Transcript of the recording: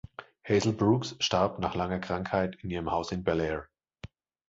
Hazel Brooks starb nach langer Krankheit in ihrem Haus in Bel Air.